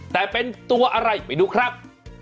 แต่เป็นตัวอะไรไปดูครับ